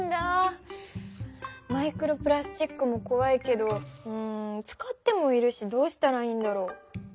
マイクロプラスチックもこわいけどうん使ってもいるしどうしたらいいんだろう？